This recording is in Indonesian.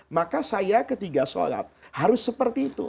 maka saya ketiga sholat harus seperti itu